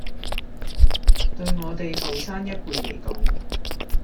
對我哋後生一輩嚟講